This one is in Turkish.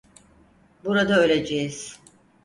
Burada öleceğiz.